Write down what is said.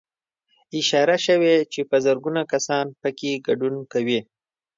اشاره شوې چې په زرګونه کسان پکې ګډون کوي